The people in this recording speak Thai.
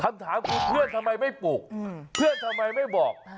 คำถามคือเพื่อนทำไมไม่ปลูกเพื่อนทำไมไม่บอก